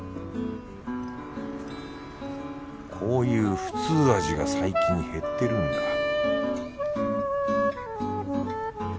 こういう普通味が最近減ってるんだ